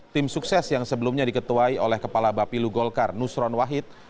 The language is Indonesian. tim sukses yang sebelumnya diketuai oleh kepala bapilu golkar nusron wahid